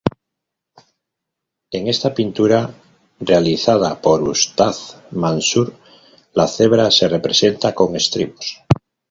En esta pintura, realizada por Ustad Mansur, la cebra se representa con estribos.